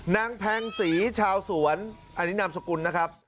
แพงศรีชาวสวนอันนี้นามสกุลนะครับ